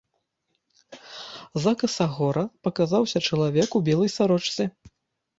З-за касагора паказаўся чалавек у белай сарочцы.